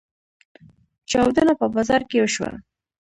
چاودنه په بازار کې وشوه.